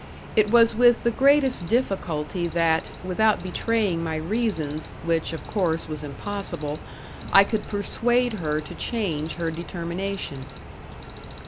It was with the greatest difficulty that, without betraying my reasons, which, of course, was impossible, I could persuade her to change her determination.